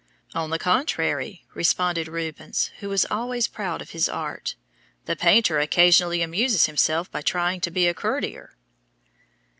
"On the contrary," responded Rubens who was always proud of his art, "the painter occasionally amuses himself by trying to be a courtier."